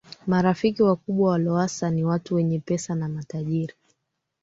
Marafiki wakubwa wa Lowassa ni watu wenye pesa na matajiri